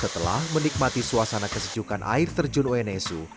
setelah menikmati suasana kesejukan air terjun unsu